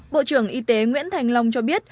bộ trưởng y tế nguyễn thành long cho biết